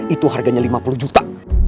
itu harganya lima puluh juta